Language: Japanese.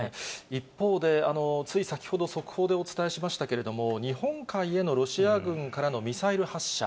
一方で、つい先ほど速報でお伝えしましたけれども、日本海へのロシア軍からのミサイル発射。